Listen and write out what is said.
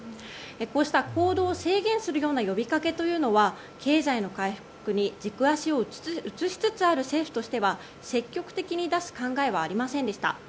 こうした行動を制限するような呼びかけは経済の回復に軸足を移しつつある政府としては積極的に出す考えはありませんでした。